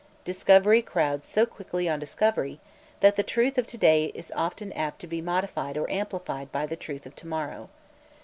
Discovery crowds so quickly on discovery, that the truth of to day is often apt to be modified or amplified by the truth of to morrow.